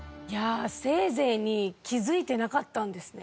「せいぜい」に気づいてなかったんですね。